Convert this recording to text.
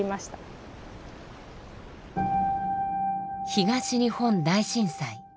東日本大震災。